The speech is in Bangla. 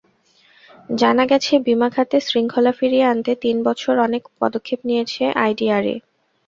জানা গেছে, বিমা খাতে শৃঙ্খলা ফিরিয়ে আনতে তিন বছরে অনেক পদক্ষেপ নিয়েছে আইডিআরএ।